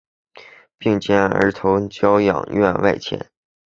并将儿童教养院外迁。